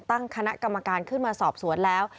ตั้งคณะกรรมการขึ้นมาสอบสวนแล้ว